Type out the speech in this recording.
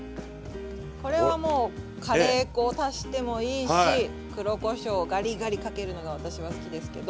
これはもうカレー粉を足してもいいし黒こしょうガリガリかけるのが私は好きですけど。